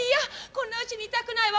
こんなうちにいたくないわ。